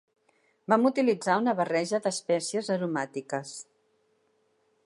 Vam utilitzar una barreja de espècies aromàtiques.